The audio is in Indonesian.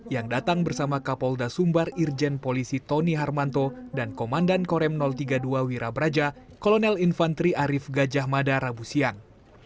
yang datang bersama kapolda sumbar irjen polisi tony harmanto dan komandan korem tiga puluh dua wira braja kolonel infantri arief gajah mada rabu siang